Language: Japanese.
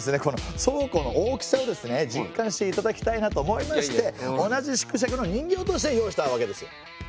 この倉庫の大きさをですね実感していただきたいなと思いまして同じ縮尺の人形として用意したわけですよ。